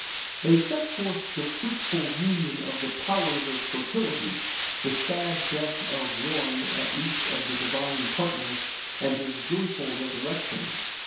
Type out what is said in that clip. They set forth the fruitful union of the powers of fertility, the sad death of one at least of the divine partners, and his joyful resurrection.